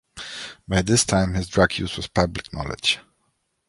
By this time, his drug use was public knowledge.